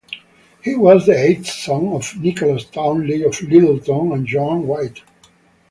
He was the eighth son of Nicholas Townley of Littleton and Joanne White.